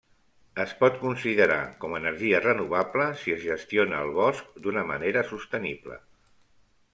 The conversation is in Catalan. Es pot considerar com a energia renovable si es gestiona el bosc d'una manera sostenible.